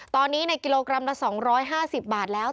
ตอนนี้ในกิโลกรัมละ๒๕๐บาทแล้ว